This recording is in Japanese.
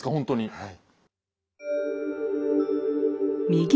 はい。